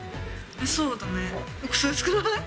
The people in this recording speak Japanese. そうだね。